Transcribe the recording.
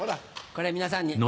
これ皆さんに。